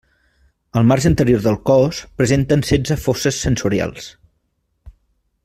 Al marge anterior del cos presenten setze fosses sensorials.